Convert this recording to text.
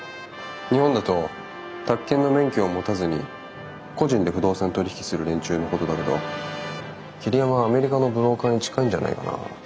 日本だと宅建の免許を持たずに個人で不動産取り引きする連中のことだけど桐山はアメリカのブローカーに近いんじゃないかな。